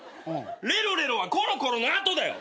レロレロはコロコロの後だよ！